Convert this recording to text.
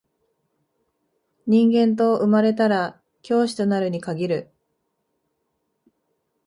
人間と生まれたら教師となるに限る